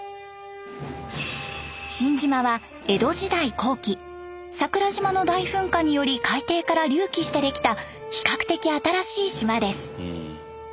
新島は江戸時代後期桜島の大噴火により海底から隆起してできた比較的新しい島です。